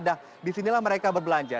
nah disinilah mereka berbelanja